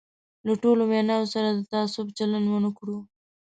له ټولو ویناوو سره د تعصب چلند ونه کړو.